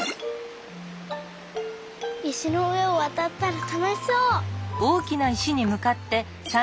いしのうえをわたったらたのしそう！